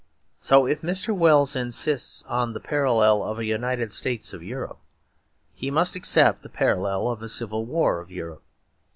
So if Mr. Wells insists on the parallel of a United States of Europe, he must accept the parallel of a Civil War of Europe.